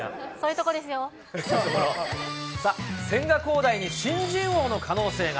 さあ、千賀滉大に新人王の可能性が。